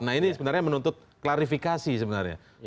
nah ini sebenarnya menuntut klarifikasi sebenarnya